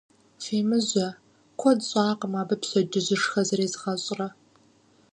Фемыжьэ, куэд щӀакъым абы пщэдджыжьышхэ зэрезгъэщӀрэ.